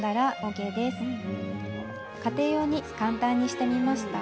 家庭用に簡単にしてみました。